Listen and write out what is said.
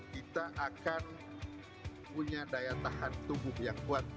kita akan punya daya tahan tubuh yang kuat